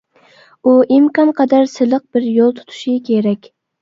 ئۇ ئىمكان قەدەر سىلىق بىر يول تۇتۇشى كېرەك.